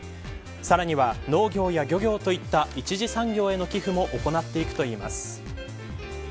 さらには農業や漁業といった一次産業への寄付も行っていくといいます。